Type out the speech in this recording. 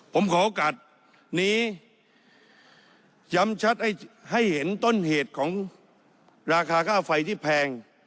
ผมขอโอกาสนี้ย้ำชัดให้เห็นต้นเหตุของราคาค่าไฟที่แพง